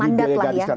mandat lah ya